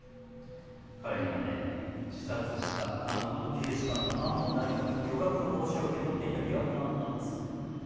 彼にはね自殺したあの元警視監の天羽大から巨額の報酬を受け取っていた疑惑があったんですよ。